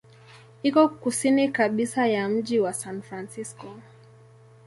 Iko kusini kabisa ya mji wa San Francisco.